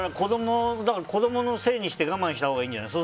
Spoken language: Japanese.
子供のせいにして我慢したほうがいいんじゃない？